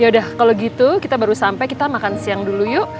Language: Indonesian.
yaudah kalau gitu kita baru sampe kita makan siang dulu yuk